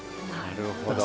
なるほど。